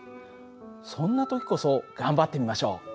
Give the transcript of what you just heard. そんな時こそ頑張ってみましょう。